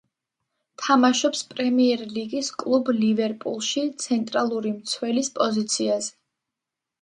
თამაშობს პრემიერლიგის კლუბ „ლივერპულში“ ცენტრალური მცველის პოზიციაზე.